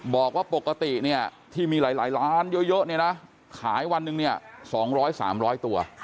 บอกว่าปกติเนี้ยที่มีหลายหลายร้านเยอะเยอะเนี้ยนะขายวันหนึ่งเนี้ยสองร้อยสามร้อยตัว